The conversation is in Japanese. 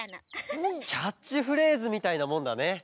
キャッチフレーズみたいなもんだね。